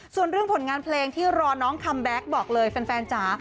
ส่วนเรื่องผลงานเพลงที่รอน้องคัมแบ็คบอกเลยแฟนจ๋า